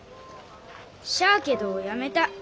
しゃあけどやめた。